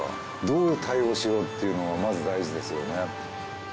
どう対応しようっていうのがまず大事ですよね。